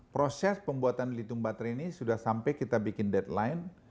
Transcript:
proses pembuatan litung baterai ini sudah sampai kita bikin deadline